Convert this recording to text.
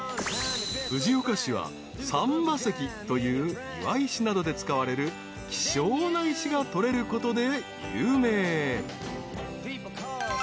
［藤岡市は三波石という庭石などで使われる希少な石が採れることで有名］